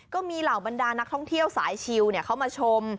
ก็มีเหล่าบรรดานักท่องเที่ยวสายชิลเขามาชม